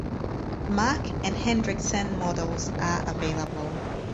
Mack and Hendrickson models are available.